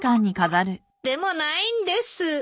でもないんです。